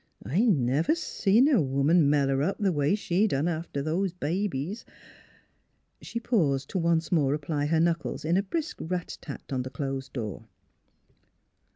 I never seen a woman meller up the way she done after those babies " NEIGHBORS 75 She paused to once more apply her knuckles in a brisk rat tat on the closed door.